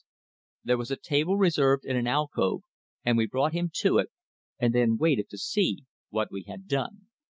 There was a table reserved, in an alcove, and we brought him to it, and then waited to see what we had done.